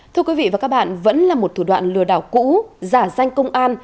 thưa quý vị và các bạn vẫn là một thủ đoạn lừa đảo cũ giả danh công an